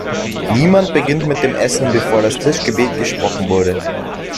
Niemand beginnt mit dem Essen, bevor das Tischgebet gesprochen wurde!